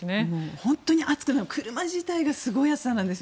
本当に暑くて車自体がすごい熱さなんですよ。